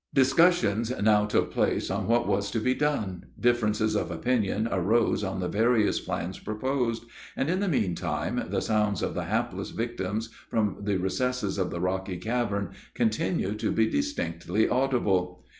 Discussions now took place on what was to be done; differences of opinion arose on the various plans proposed, and, in the meantime, the sounds of the hapless victims from the recesses of the rocky cavern continued to be distinctly audible.